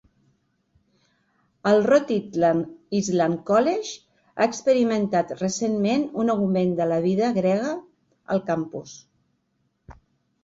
El Rhode Island College ha experimentat recentment un augment de la vida "grega" al campus.